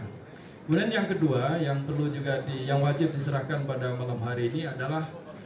kemudian yang kedua yang perlu juga yang wajib diserahkan pada malam hari ini adalah